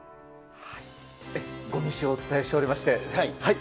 ごみ史をお伝えしておりまし